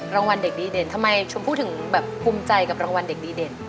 รางวัลเด็กดีเด่นทำไมชมพู่ถึงแบบภูมิใจกับรางวัลเด็กดีเด่น